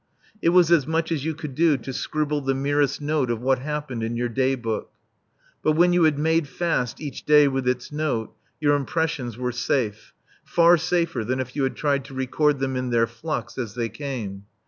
It was as much as you could do to scribble the merest note of what happened in your Day Book. But when you had made fast each day with its note, your impressions were safe, far safer than if you had tried to record them in their flux as they came.